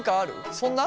そんな？